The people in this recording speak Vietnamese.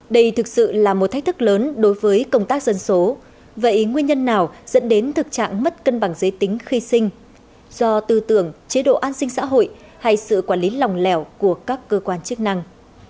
đây thực sự là một thách thức lớn đối với công tác dân số vậy nguyên nhân nào dẫn đến thực trạng mất cân bằng giới tính khi sinh do tư tưởng chế độ an sinh xã hội hay sự quản lý lòng lẻo của các cơ quan chức năng